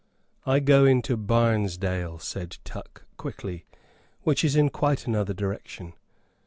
"I go into Barnesdale," said Tuck, quickly, "which is in quite another direction."